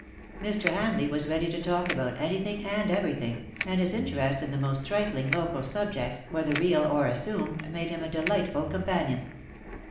Mr. Hamleigh was ready to talk about anything and everything, and his interest in the most trifling local subjects,, whether real or assumed^ made him a delightful companion.